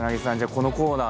このコーナー